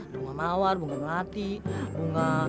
bunga mawar bunga mati bunga